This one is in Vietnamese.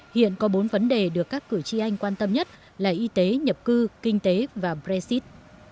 hiện có bốn vấn đề được các cử tri anh quan tâm nhất là y tế nhập cư kinh tế và brexit